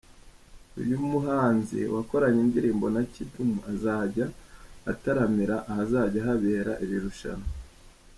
Uyu muhanzi, wakoranye indirimbo na Kidum, azajya utaramira ahazajya habera iri rushanwa.